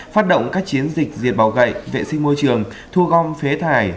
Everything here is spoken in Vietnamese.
phát động các chiến dịch diệt bỏ gậy vệ sinh môi trường thu gom phế thải